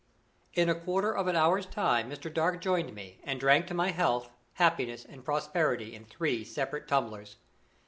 In a quarter of an hour's time Mr. Dark joined me, and drank to my health, happiness and prosperity in three separate tumblers.